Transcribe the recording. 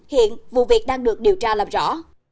hiện vụ việc đang được điều tra làm rõ